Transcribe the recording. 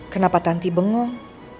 kenapa tanti bengong